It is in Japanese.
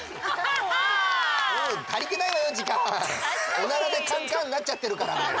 「オナラ」でカンカンなっちゃってるからあれ。